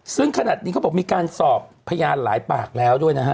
ซึ่งขนาดนี้เขาบอกมีการสอบพยานหลายปากแล้วด้วยนะฮะ